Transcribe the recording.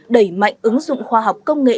đẩy mạnh ứng dụng khoa học công nghệ